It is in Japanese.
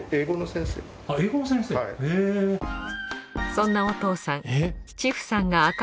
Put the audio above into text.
そんなお父さん茅